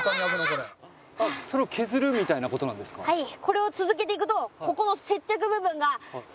はい。